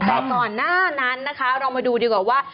แต่ก่อนหน้านั้นนะคะเรามาดูดีกว่าว่า